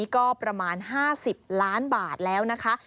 ก็ประมาณ๕๐ล้านบาทแล้วนะคะ